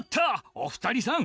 お二人さん